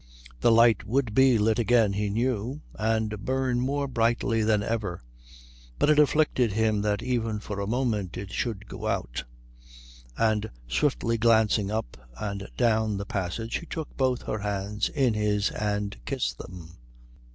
The light would be lit again, he knew, and burn more brightly than ever, but it afflicted him that even for a moment it should go out; and swiftly glancing up and down the passage he took both her hands in his and kissed them.